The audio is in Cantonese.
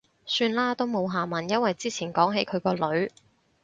算喇，都冇下文。因為之前講起佢個女